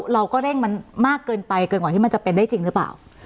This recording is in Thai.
เราก็เร่งมันมากเกินไปเกินกว่าจะเป็นได้จริงหรือปะ